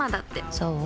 そう？